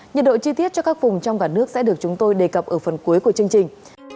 nhiệt độ chi tiết cho các vùng trong cả nước sẽ được chúng tôi đề cập ở phần cuối của chương trình